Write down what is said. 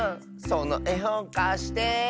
そのえほんかして。